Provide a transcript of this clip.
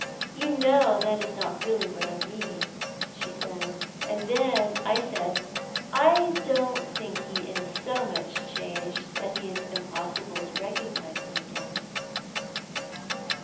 'You know that is not what I really mean,' she said, and then I said, 'I don't think he is so much changed that it is impossible to recognize him again.'"